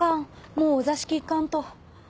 もうお座敷行かんと。